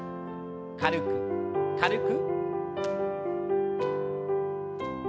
軽く軽く。